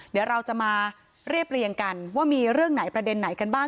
เดี๋ยวเราจะมาเรียบเรียงกันว่ามีเรื่องไหนประเด็นไหนกันบ้าง